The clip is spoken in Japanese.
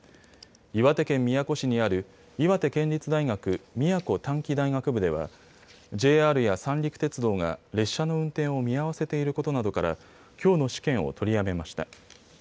岩手県宮古市にある岩手県立大学宮古短期大学部ではＪＲや三陸鉄道が列車の運転を見合わせていることなどからきょうの試験を取りやめました。